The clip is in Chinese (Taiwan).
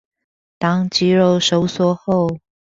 當肌肉收縮後